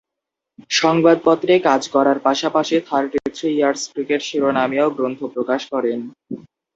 সংবাদপত্রে কাজ করার পাশাপাশি ‘থার্টি-থ্রি ইয়ার্স ক্রিকেট’ শিরোনামীয় গ্রন্থ প্রকাশ করেন।